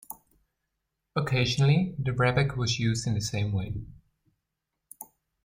Occasionally, the rebec was used in the same way.